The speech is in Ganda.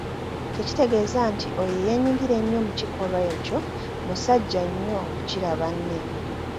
Tekitegeeza nti oyo eyeenyigira ennyo mu kikolwa ekyo musajja nnyo okukira banne.